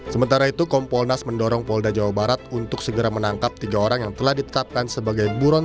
sementara itu kompolnas mendorong polda jawa barat untuk segera menangkap tiga orang yang telah ditetapkan sebagai buron